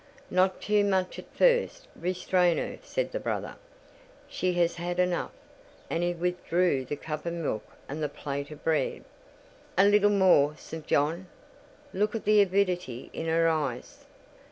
"Not too much at first—restrain her," said the brother; "she has had enough." And he withdrew the cup of milk and the plate of bread. "A little more, St. John—look at the avidity in her eyes."